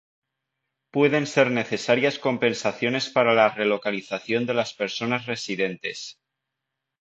Pueden ser necesarias compensaciones para la relocalización de las personas residentes.